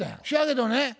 そやけどね